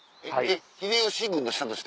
秀吉軍の下として？